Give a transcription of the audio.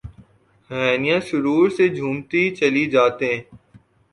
ہہنیاں سرور سے جھومتی چلی جاتیں